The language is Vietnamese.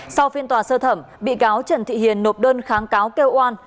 sau phiên tòa sơ thẩm bị cáo trần thị hiền nộp đơn kháng cáo kêu oan